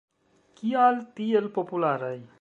Kial tiel popularaj?